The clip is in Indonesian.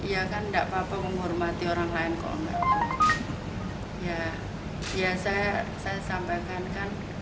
ya kan tidak apa apa menghormati orang lain kalau tidak